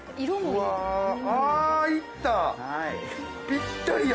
ぴったりや。